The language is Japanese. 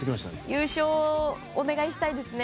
優勝をお願いしたいですね